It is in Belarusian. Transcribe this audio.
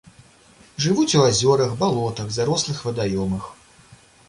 Жывуць у азёрах, балотах, зарослых вадаёмах.